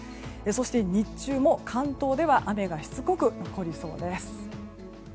そして、日中も関東では雨がしつこく残りそうです。